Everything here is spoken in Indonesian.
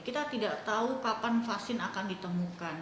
kita tidak tahu kapan vaksin akan ditemukan